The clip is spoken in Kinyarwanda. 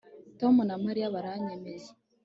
tom na mariya barabyemera